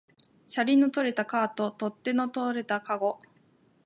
車輪の取れたカート、取っ手の取れたかご